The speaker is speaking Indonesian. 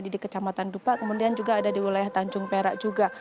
di kecamatan dupa kemudian juga ada di wilayah tanjung perak juga